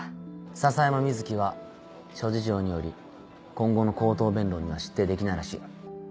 篠山瑞生は諸事情により今後の口頭弁論には出廷できないらしい。